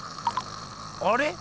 あれ？